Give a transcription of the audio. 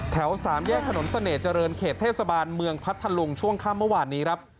สามแยกถนนเสน่หเจริญเขตเทศบาลเมืองพัทธลุงช่วงค่ำเมื่อวานนี้ครับ